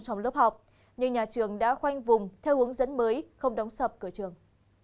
trong lớp học nhưng nhà trường đã khoanh vùng theo hướng dẫn mới không đóng sập cửa trường